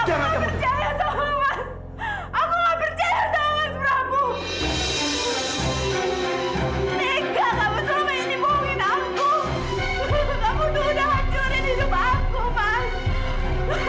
enggak aku gak percaya sama mas